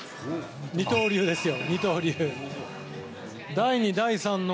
二刀流ですよ。